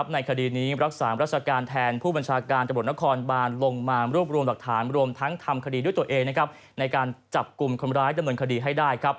ในคดีนี้รักษารัชการแทนผู้บัญชาการตำรวจนครบานลงมารวบรวมหลักฐานรวมทั้งทำคดีด้วยตัวเองในการจับกลุ่มคนร้ายดำเนินคดีให้ได้